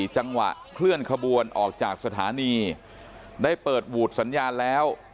จังหวะเคลื่อนขบวนออกจากสถานีได้เปิดหวูดสัญญาณแล้ว